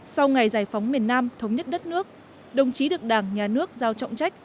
sau ngày giải phóng miền nam thống nhất đất nước đồng chí được đảng nhà nước giao trọng trách